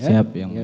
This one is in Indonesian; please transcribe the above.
siap yang mulia